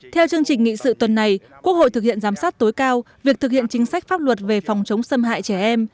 theo chương trình nghị sự tuần này quốc hội thực hiện giám sát tối cao việc thực hiện chính sách pháp luật về phòng chống xâm hại trẻ em